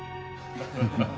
ハハハ